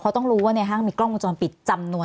เขาต้องรู้ว่าเนี่ยฮะมีกล้องมุมจรปิดจำนวนมาก